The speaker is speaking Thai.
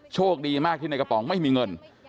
โชคดีมากที่ในกระป๋องไม่มีเงิน